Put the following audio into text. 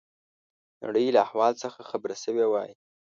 نړۍ له احوال څخه خبر شوي وای.